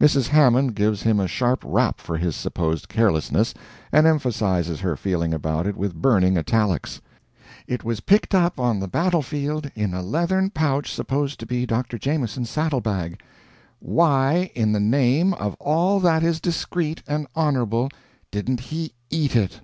Mrs. Hammond gives him a sharp rap for his supposed carelessness, and emphasizes her feeling about it with burning italics: "It was picked up on the battle field in a leathern pouch, supposed to be Dr. Jameson's saddle bag. Why, in the name of all that is discreet and honorable, didn't he eat it!"